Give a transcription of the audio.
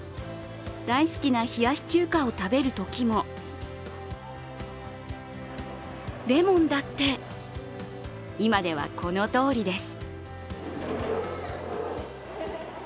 大好きな冷やし中華を食べるときもレモンだって、今ではこのとおりです。